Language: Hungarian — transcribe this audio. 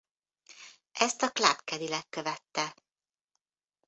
Ezt a Club Cadillac követte.